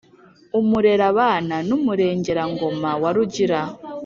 umurerabana n' umurengerangoma wa rugira,